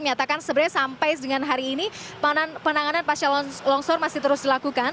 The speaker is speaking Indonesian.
menyatakan sebenarnya sampai dengan hari ini penanganan pasca longsor masih terus dilakukan